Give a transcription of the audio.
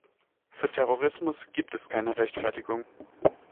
Für Terrorismus gibt es keine Rechtfertigung.